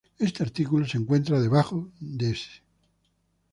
Este artículo se encuentra debajo de este.